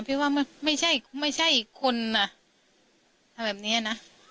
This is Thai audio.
พี่ว่าไม่ใช่ไม่ใช่คนนะทำแบบนี้นะ